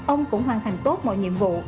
ông cũng hoàn thành tốt mọi nhiệm vụ